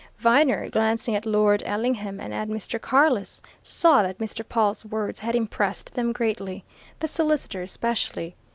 Viner, glancing at Lord Ellingham and at Mr. Carless, saw that Mr. Pawle's words had impressed them greatly, the solicitor especially.